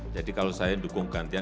jadi kalau saya dukung gantian